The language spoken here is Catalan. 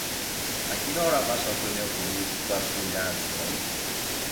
A quina hora passa el primer autobús per Ullà dijous?